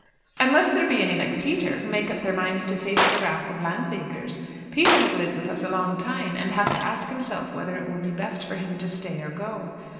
"Unless there be any like Peter who make up their minds to face the wrath of Landleaguers. Peter has lived with us a long time, and has to ask himself whether it will be best for him to stay or go."